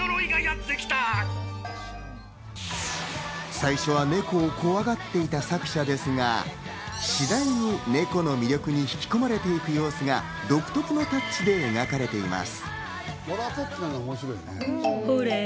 最初はネコを怖がっていた作者ですが、次第にネコの魅力に引き込まれていく様子が独特のタッチで描かれています。